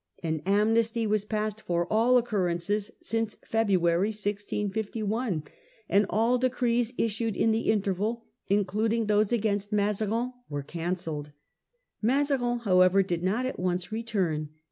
An amnesty was passed for all occurrences since February 1651, and all decrees issued in the interval, including those against Mazarin, were can celled. Mazarin, however, did not at once return.